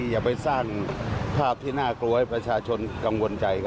อย่าไปสร้างภาพที่น่ากลัวให้ประชาชนกังวลใจ